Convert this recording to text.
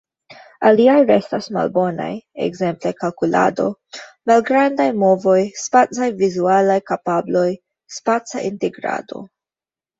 Aliaj restas malbonaj, ekzemple kalkulado, malgrandaj movoj, spacaj-vizualaj kapabloj, spaca integrado.